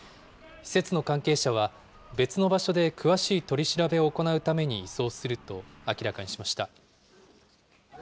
施設の関係者は、別の場所で詳しい取り調べを行うために移送すると明らかにしました。